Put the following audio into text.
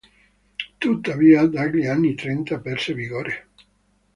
Tuttavia dagli anni trenta perse vigore.